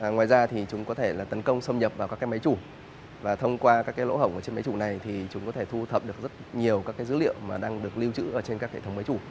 ngoài ra thì chúng có thể là tấn công xâm nhập vào các máy chủ và thông qua các cái lỗ hổng ở trên máy chủ này thì chúng có thể thu thập được rất nhiều các dữ liệu mà đang được lưu trữ trên các hệ thống máy chủ